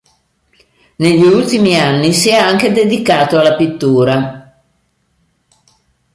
Negli ultimi anni si è anche dedicato alla pittura.